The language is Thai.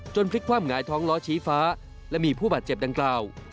พลิกความหงายท้องล้อชี้ฟ้าและมีผู้บาดเจ็บดังกล่าว